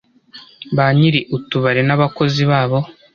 ba nyiri utubare n’abakozi babo